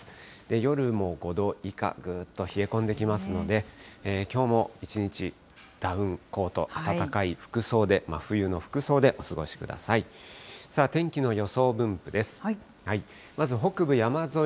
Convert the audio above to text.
夜も５度以下、ぐーっと冷え込んできますので、きょうも一日、ダウンコート、暖かい服装で、真冬の服装でお過ごしください。